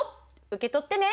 受け取ってね！